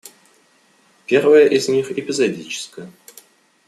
Первое из них эпизодическое.